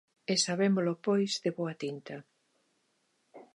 E sabémolo pois de boa tinta.